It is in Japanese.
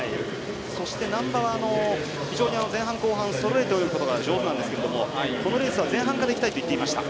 そして、難波は非常に前半、後半そろえて泳ぐことが上手なんですけどこのレースは前半からいきたいと言っていました。